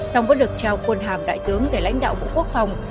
song vẫn được trao quân hàm đại tướng để lãnh đạo bộ quốc phòng